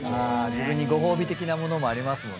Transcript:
自分にご褒美的な物もありますもんね。